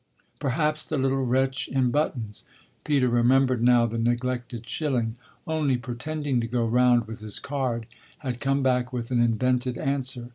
Perhaps the little wretch in buttons Peter remembered now the neglected shilling only pretending to go round with his card, had come back with an invented answer.